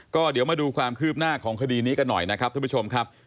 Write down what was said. ก็เดี๋ยวมาดูความคืบหน้าของคดีนี้กันหน่อยนะครับท่านผู้ชมครับ